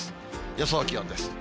予想気温です。